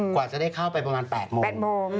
กว่าจะได้เข้าไปประมาณ๘โมง